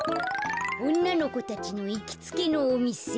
おんなのこたちのいきつけのおみせ。